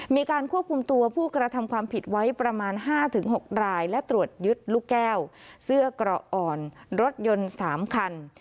มีการควบคุมตัวผู้กระทำความผิดไว้ประมาณ๕๖รายและตรวจยึดลูกแก้วเสื้อเกราะอ่อนรถยนต์๓คัน